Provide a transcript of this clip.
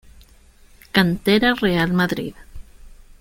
Cantera Real Madrid.